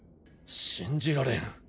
信じられん。